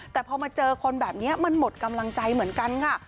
แต่พอมาเจอคนแบบนี้มันหมดกำลังใจเหมือนกันค่ะ